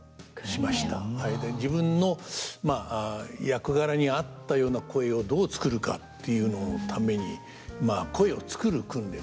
自分の役柄に合ったような声をどう作るかっていうののためにまあ声を作る訓練をしましたね。